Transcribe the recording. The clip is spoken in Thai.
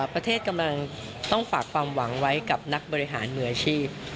กำลังต้องฝากความหวังไว้กับนักบริหารมืออาชีพ